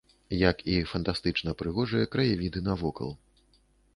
Як і фантастычна прыгожыя краявіды навокал.